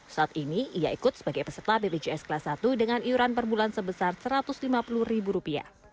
saat ini ia ikut sebagai peserta bpjs kelas satu dengan iuran per bulan sebesar rp satu ratus lima puluh